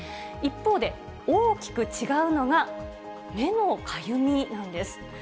一方で、大きく違うのが、目のかゆみなんです。